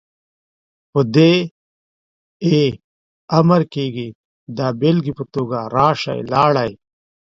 په دې ئ کې امر کيږي، دا بيلګې په توګه ، راشئ، لاړئ،